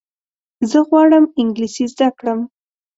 زه غواړم انګلیسي زده کړم.